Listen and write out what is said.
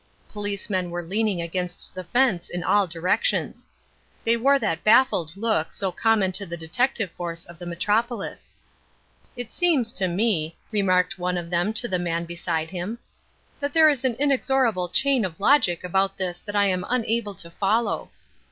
Policemen were leaning against the fence in all directions. They wore that baffled look so common to the detective force of the metropolis. "It seems to me," remarked one of them to the man beside him, "that there is an inexorable chain of logic about this that I am unable to follow."